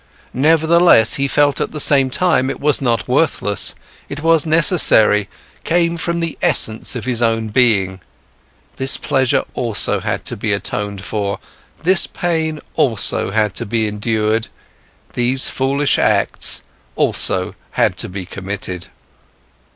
Nevertheless, he felt at the same time, it was not worthless, it was necessary, came from the essence of his own being. This pleasure also had to be atoned for, this pain also had to be endured, these foolish acts also had to be committed.